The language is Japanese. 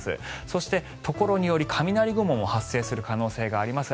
そして、ところにより雷雲も発生する可能性があります。